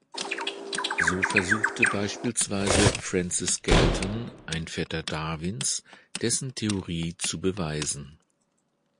So versuchte beispielsweise Francis Galton, ein Vetter Darwins, dessen Theorie zu beweisen.